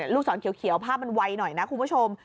ลูกศรเขียวภาพมันไวหน่อยนะคุณผู้ชม